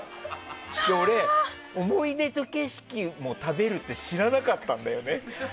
俺、思い出と景色も食べるって知らなかったんだよね。